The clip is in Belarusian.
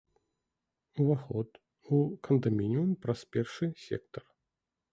Уваход у кандамініум праз першы сектар.